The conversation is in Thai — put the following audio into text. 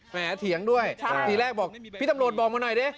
เถียงด้วยทีแรกบอกพี่ตำรวจบอกมาหน่อยดิ